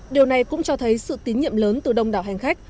điều này cũng cho thấy sự tín nhiệm lớn từ đông đảo hành khách